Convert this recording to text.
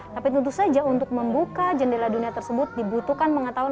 tapi tentu saja untuk membuka jendela dunia tersebut dibutuhkan pengetahuan